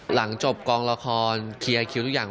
หลังจบกองละครเคลียร์คิวทุกอย่าง